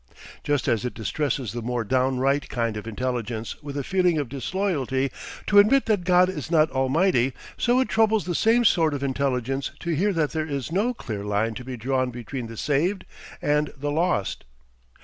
Just as it distresses the more downright kind of intelligence with a feeling of disloyalty to admit that God is not Almighty, so it troubles the same sort of intelligence to hear that there is no clear line to be drawn between the saved and the lost.